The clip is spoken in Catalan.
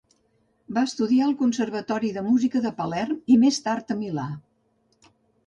Va estudiar al conservatori de música de Palerm i més tard a Milà.